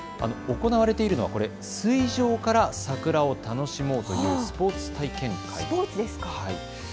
行われているのは水上から桜を楽しもうというスポーツ体験です。